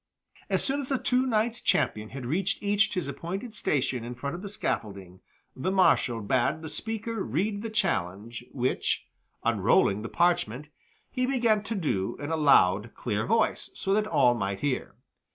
As soon as the two knights champion had reached each his appointed station in front of the scaffolding, the Marshal bade the speaker read the challenge, which, unrolling the parchment, he began to do in a loud, clear voice, so that all might hear.